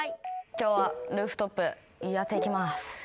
今日はルーフトップやっていきます。